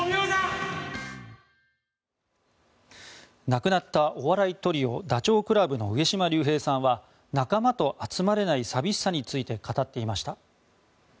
亡くなったお笑いトリオダチョウ倶楽部の上島竜兵さんは仲間と集まれない寂しさについて語っていました。